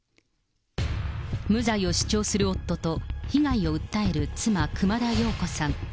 無罪を主張する夫と、被害を訴える妻、熊田曜子さん。